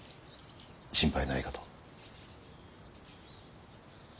心配ないかと。